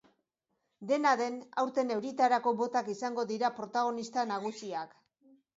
Dena den, aurten euritarako botak izango dira protagonista nagusiak.